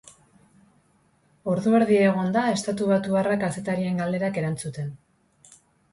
Ordu erdi egon da estatubatuarra kazetarien galderak erantzuten.